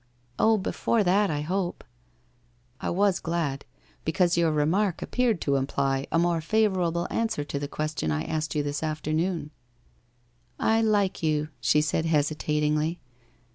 ' Oh, before that, I hope/ ' I was glad, because your remark appeared to imply a more favourable answer to the question I asked you this afternoon/ ' I like you,' she said hesitatingly.